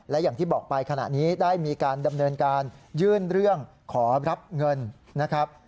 และอย่างที่บอกไปขณะนี้ได้มีการดำเนินการยื่นเรื่องขอรับเงินนะครับ